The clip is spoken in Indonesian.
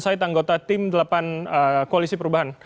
saya tanggota tim delapan koalisi perubahan